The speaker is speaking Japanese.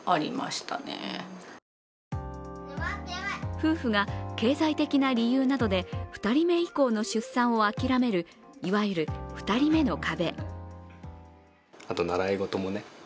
夫婦が経済的な理由などで２人目以降の出産を諦める、いわゆる２人目の壁。